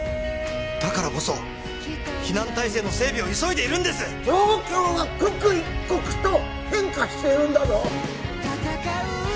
だからこそ避難体制の整備を急いでいるんです状況は刻一刻と変化しているんだぞ